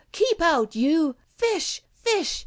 Keep out— you! Fish! Fish!"